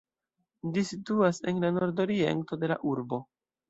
Ĝi situas en la nordoriento de la urbo.